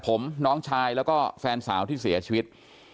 ผมน้องชายแล้วก็แฟนสาวที่เสียชีวิต